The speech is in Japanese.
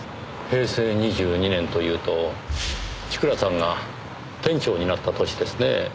平成２２年というと千倉さんが店長になった年ですねぇ。